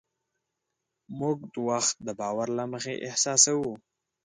موږ وخت د باور له مخې احساسوو.